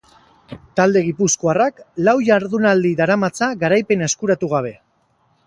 Talde gipuzkoarrak lau jardunaldi daramatza garaipena eskuratu gabe.